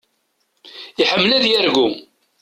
Iḥemmel ad yargu.